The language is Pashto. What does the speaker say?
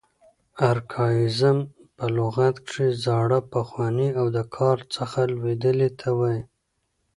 ارکاییزم په لغت کښي زاړه، پخواني او د کاره څخه لوېدلي ته وایي.